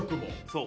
そう。